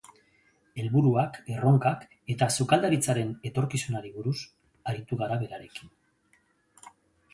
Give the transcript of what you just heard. Helburuak, erronkak eta sukaldaritzaren etorkizunari buruz aritu gara berarekin.